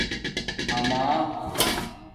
آمݳ